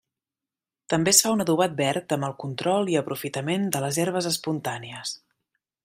També es fa un adobat verd amb el control i aprofitament de les herbes espontànies.